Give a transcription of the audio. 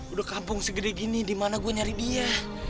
udah kampung segede gini di mana gue nyari dia